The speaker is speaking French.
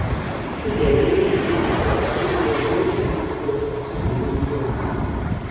Cet oiseau occupe une place privilégiée dans la culture arabe et musulmane.